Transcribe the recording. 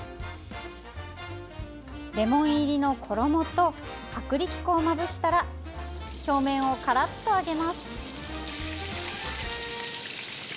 レモン入りの衣と薄力粉をまぶしたら表面をカラッと揚げます。